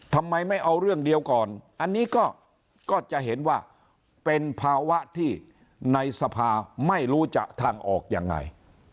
ทำไมไม่เอาเรื่องเดียวก่อนอันนี้ก็จะเห็นว่าเป็นภาวะที่ในสภาไม่รู้จะทางออกยังไง